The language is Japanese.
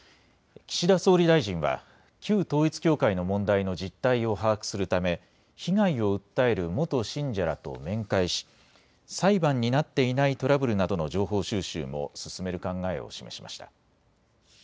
岸田総理大臣は旧統一教会の問題の実態を把握するため被害を訴える元信者らと面会し裁判になっていないトラブルなどの情報収集も進める考えを示しました。